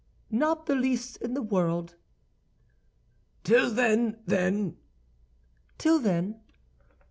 "Not the least in the world." "Till then, then?" "Till then."